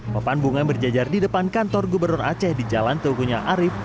pepan bunga berjajar di depan kantor gubernur aceh di jalan teguhunya arif